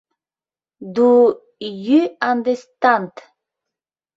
Ду йӱ андестӓнт?